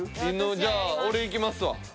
じゃあ俺いきますわ。